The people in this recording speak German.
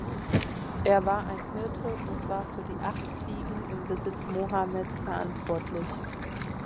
Er war ein Hirte und war für die acht Ziegen im Besitz Mohammeds verantwortlich.